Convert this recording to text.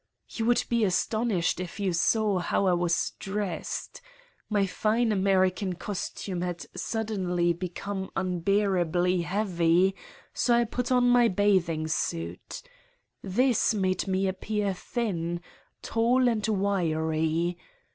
You would be astonished if you saw how I was dressed. My fine American costume had suddenly become unbearably heavy, so I put on my bathing suit. This made me appear thin, tall and wiry.